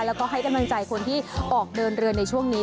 แล้วก็ให้กำลังใจคนที่ออกเดินเรือในช่วงนี้